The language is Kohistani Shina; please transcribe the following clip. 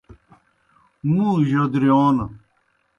مُوں جودرِیون